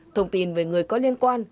thông tin về người có liên quan